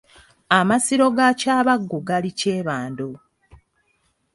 Amasiro ga Kyabaggu gali Kyebando.